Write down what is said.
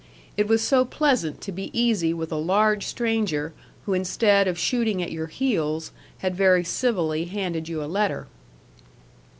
It was so pleasant to be easy with a large stranger, who instead of shooting at your heels had very civilly handed you a letter.